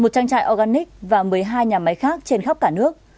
một trang trại organic và một mươi hai nhà máy khác trên khắp cả nước